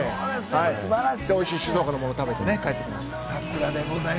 おいしい、静岡のものを食べて帰ってきました。